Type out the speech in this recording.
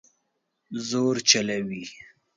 زور چلوي